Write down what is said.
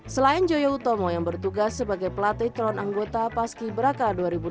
selain joyo utomo yang bertugas sebagai pelatih calon anggota paski beraka